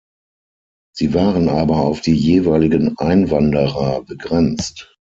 Sie waren aber auf die jeweiligen Einwanderer begrenzt.